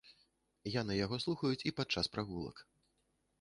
Яны яго слухаюць і падчас прагулак.